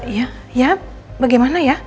ya bagaimana ya